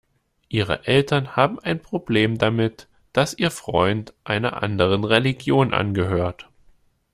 Ihre Eltern haben ein Problem damit, dass ihr Freund einer anderen Religion angehört.